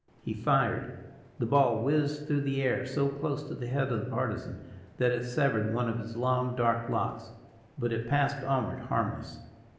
He fired. The ball whizzed through the air, so close to the head of the Partisan, that it severed one of his long, dark locks; but it passed onward harmless.